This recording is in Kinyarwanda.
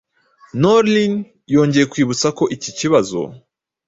Noreen yongeye kwibutsa ko iki kibazo